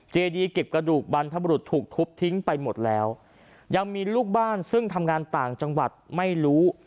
เจดีเก็บกระดูกบรรพบรุษถูกทุบทิ้งไปหมดแล้วยังมีลูกบ้านซึ่งทำงานต่างจังหวัดไม่รู้